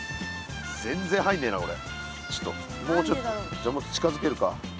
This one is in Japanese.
じゃあもっと近づけるか。